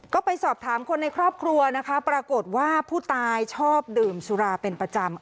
ก็ไปสอบถามคนในครอบครัวนะคะปรากฏว่าผู้ตายชอบดื่มสุราเป็นประจำ